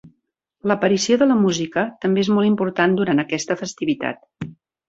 L'aparició de la música també és molt important durant aquesta festivitat.